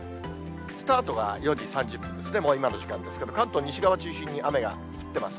スタートが４時３０分ですね、もう今の時間ですけど、関東西側中心に雨が降ってます。